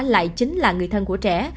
lại chính là người thân của trẻ